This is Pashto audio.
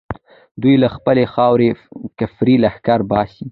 دوی له خپلې خاورې کفري لښکر باسي.